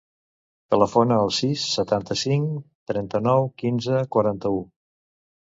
Telefona al sis, setanta-cinc, trenta-nou, quinze, quaranta-u.